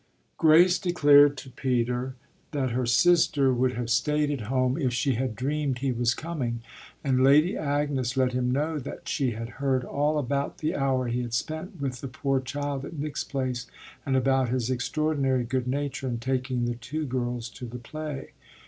Grace declared to Peter that her sister would have stayed at home if she had dreamed he was coming, and Lady Agnes let him know that she had heard all about the hour he had spent with the poor child at Nick's place and about his extraordinary good nature in taking the two girls to the play.